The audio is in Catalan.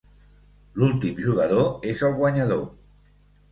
L'últim jugador és el guanyador.